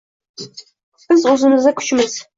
Biz o'zimizda kuchmiz